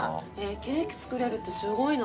ケーキ作れるってすごいな。